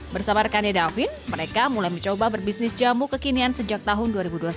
bersama rekannya davin mereka mulai mencoba berbisnis jamu kekinian sejak tahun dua ribu dua puluh satu